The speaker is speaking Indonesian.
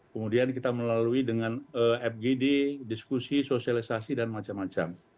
kemudian kita melalui dengan fgd diskusi sosialisasi dan macam macam